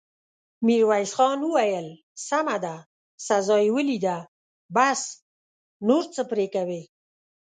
ميرويس خان وويل: سمه ده، سزا يې وليده، بس، نور څه پرې کوې!